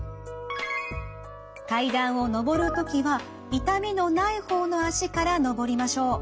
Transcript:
階段を上る時は痛みのない方の脚から上りましょう。